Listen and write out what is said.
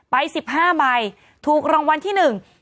ไป๑๕ใบถูกรางวัลที่๑